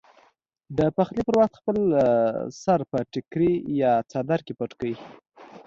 د پخلي پر وخت خپل سر په ټیکري یا څادر کې پټ کړئ.